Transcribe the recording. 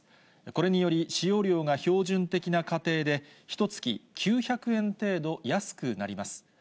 これにより、使用量が標準的な家庭でひとつき９００円程度安くなります。